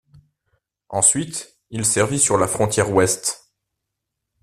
Ensuite, il servit sur la frontière ouest.